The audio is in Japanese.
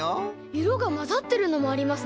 いろがまざってるのもありますね。